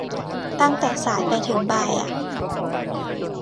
ตั้งแต่สายไปถึงบ่ายอ่ะ